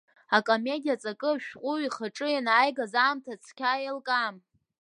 Акомедиа аҵакы ашәҟәыҩҩы ихаҿы ианааигаз аамҭа цқьа еилкаам.